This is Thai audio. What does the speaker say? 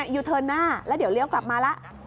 อยู่เทิร์นหน้าแล้วเดี๋ยวเรียกกลับมาล่ะ